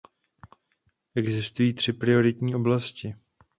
Existují tři prioritní oblasti.